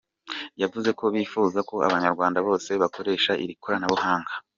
Yavuze ko bifuza ko abanyarwanda bose bakoresha iri koranabuhanga.